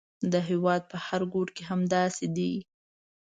د هېواد په هر ګوټ کې همداسې دي.